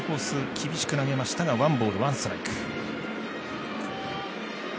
厳しく投げましたがワンボール、ワンストライク。